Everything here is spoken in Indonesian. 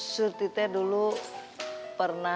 sorti teh dulu pernah dengar